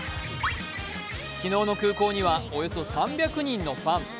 昨日の空港にはおよそ３００人のファン。